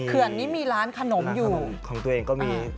เคลื่อนนี้มีร้านขนมอยู่ก็มี